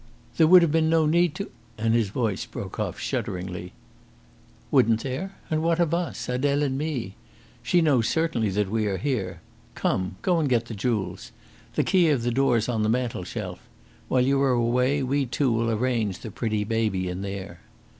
"There would have been no need to " And his voice broke off shudderingly. "Wouldn't there? And what of us Adele and me? She knows certainly that we are here. Come, go and get the jewels. The key of the door's on the mantelshelf. While you are away we two will arrange the pretty baby in there."